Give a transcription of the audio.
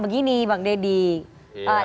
begini bang deddy